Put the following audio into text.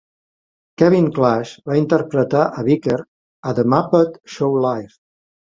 Kevin Clash va interpretar a Beaker a "The Muppet Xou Live".